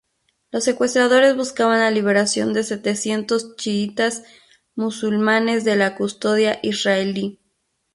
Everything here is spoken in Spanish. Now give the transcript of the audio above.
Los secuestradores buscaban la liberación de setecientos chiitas musulmanes de la custodia israelí.